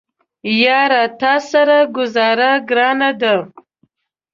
یاره تاسره ګوزاره ګرانه ده